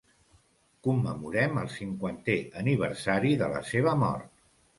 Commemorem el cinquantè aniversari de la seva mort.